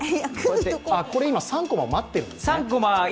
今、３コマを待っているんですね。